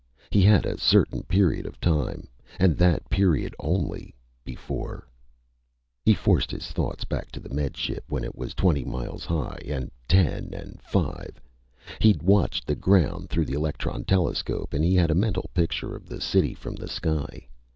He had a certain period of time, and that period only, before He forced his thoughts back to the Med Ship when it was twenty miles high, and ten, and five. He'd watched the ground through the electron telescope and he had a mental picture of the city from the sky.